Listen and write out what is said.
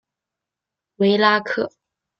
维拉克。